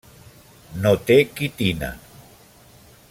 No té quitina.